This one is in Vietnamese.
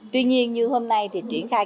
tuy nhiên như hôm nay thì triển khai